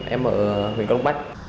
em ở huyện rông bắc